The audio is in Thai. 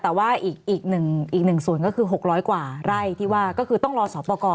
แต่ว่าอีกหนึ่งส่วนก็คือ๖๐๐กว่าไร่ที่ว่าก็คือต้องรอสอบประกอบ